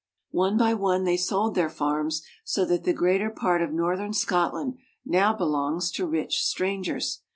One by one they sold their farms, so that the greater part of northern Scotland now belongs to rich strangers.